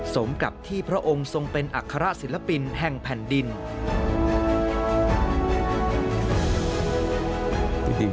สมกับที่พระองค์ทรงเป็นอัคระศิลปินแห่งแผ่นดิน